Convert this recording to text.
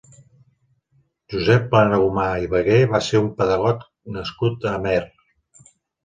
Josep Planagumà i Bagué va ser un pedagog nascut a Amer.